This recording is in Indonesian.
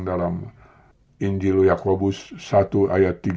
dalam injil yaakobus satu ayat tiga empat